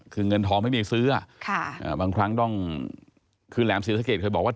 คือเงินทองไม่มีซื้อบางครั้งต้องคือแหลมศรีสะเกดเคยบอกว่า